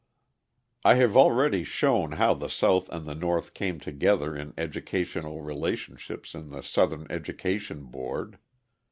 I have already shown how the South and the North came together in educational relationships in the Southern Education Board.